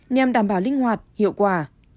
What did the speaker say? nhằm đảm bảo linh hoạt hiệu quả